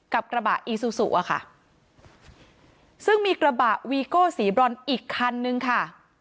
กับกระบะอีซูซูอะค่ะซึ่งมีกระบะวีโก้สีบรอนอีกคันนึงค่ะ